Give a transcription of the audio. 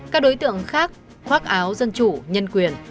các đối tượng khác khoác áo dân chủ nhân quyền